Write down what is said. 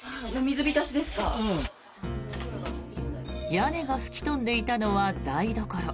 屋根が吹き飛んでいたのは台所。